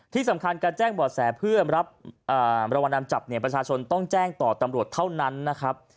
ที่สำคัญการแจ้งบ่อแสเพื่อรับรางวัลนำจับเนี่ยประชาชนต้องแจ้งต่อตำรวจเท่านั้นนะครับ